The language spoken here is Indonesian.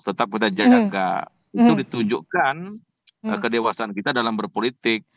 tetap kita jaga itu ditunjukkan kedewasaan kita dalam berpolitik